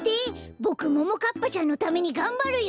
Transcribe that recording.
ボクももかっぱちゃんのためにがんばるよ！